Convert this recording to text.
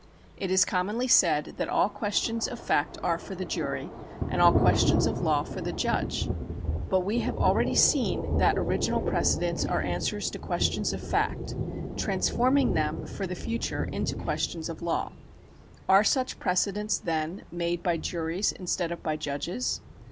It is commonly said that all questions of fact are for the jury, and all questions of law for the judge. But we have already seen that original precedents are answers to questions of fact, transforming them for the future into questions of law. Are such precedents, then, made by juries instead of by judges